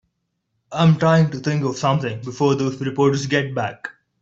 I'm trying to think of something before those reporters get back.